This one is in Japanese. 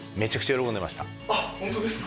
あっホントですか？